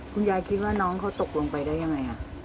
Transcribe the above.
คิดว่าน้องเขาตกลงไปได้ยังไง